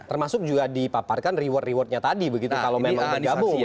termasuk juga dipaparkan reward rewardnya tadi begitu kalau memang bergabung